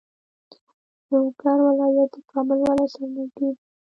لوګر ولایت د کابل ولایت سره نږدې دی.